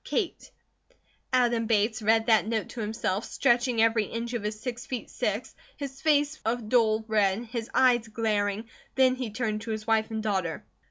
KATE Adam Bates read that note to himself, stretching every inch of his six feet six, his face a dull red, his eyes glaring. Then he turned to his wife and daughter.